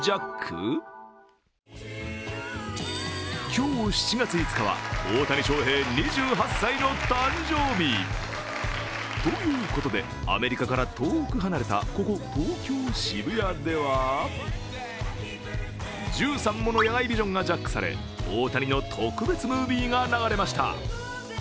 今日７月５日は大谷翔平２８歳の誕生日。ということでアメリカから遠く離れたここ、東京・渋谷では１３もの屋外ビジョンがジャックされ大谷の特別ムービーが流れました。